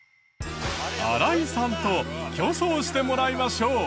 新井さんと競争してもらいましょう。